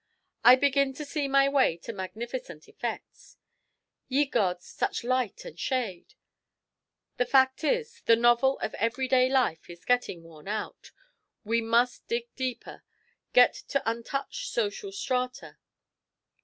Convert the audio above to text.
I begin to see my way to magnificent effects; ye gods, such light and shade! The fact is, the novel of every day life is getting worn out. We must dig deeper, get to untouched social strata.